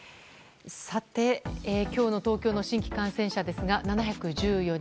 さて、今日の東京の新規感染者ですが、７１４人。